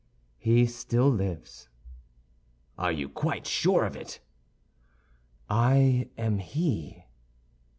"He still lives." "Are you quite sure of it?" "I am he."